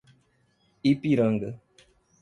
Ipiranga